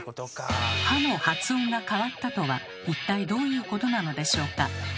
「は」の発音が変わったとは一体どういうことなのでしょうか？